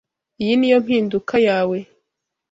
Iyi niyo mpinduka yawe.